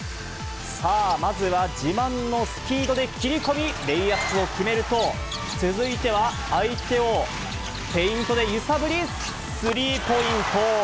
さあ、まずは自慢のスピードで切り込み、レイアップを決めると、続いては、相手をフェイントで揺さぶりスリーポイント。